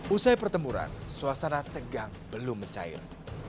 usai pertempuran suasana tegang belum mencair